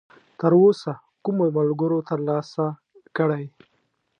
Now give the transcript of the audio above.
تراوسه کومو ملګرو ترلاسه کړی!؟